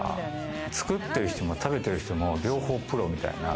作ってる人も食べてる人も両方プロみたいな。